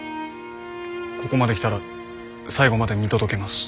ここまで来たら最後まで見届けます。